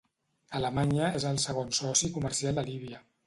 Alemanya és el segon soci comercial de Líbia.